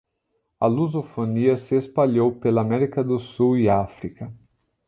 A lusofonia se espalhou pela América do Sul e África